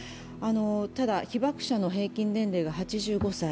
ただ、被爆者の平均年齢が８５歳。